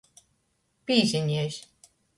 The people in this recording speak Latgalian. Pīziniejs.